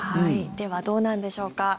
ではどうなんでしょうか。